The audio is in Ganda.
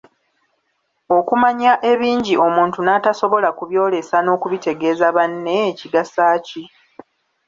Okumanya ebingi omuntu n'atasobola kubyolesa n'okubitegeeza banne, kigasa ki?